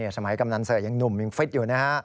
กำนันเสิร์ตยังหนุ่มยังฟิตอยู่นะฮะ